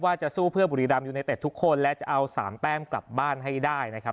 จะสู้เพื่อบุรีรัมยูเนเต็ดทุกคนและจะเอา๓แต้มกลับบ้านให้ได้นะครับ